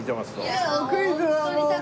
いやクイズはもう。